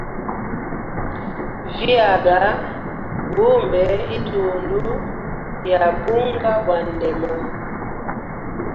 Vyaga gumbe itundu ya bunga bwa ndema.